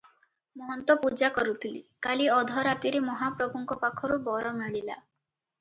ମହନ୍ତ ପୂଜା କରୁଥିଲେ, କାଲି ଅଧରାତିରେ ମହାପ୍ରଭୁଙ୍କ ପାଖରୁ ବର ମିଳିଲା ।